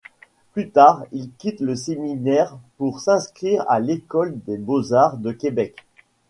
Plus tard, il quitte le Séminaire pour s’inscrire à l’École des beaux-arts de Québec.